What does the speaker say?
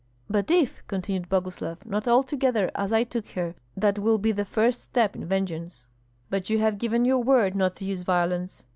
"But if," continued Boguslav, "not altogether as I took her, that will be the first step in vengeance." "But you have given your word not to use violence."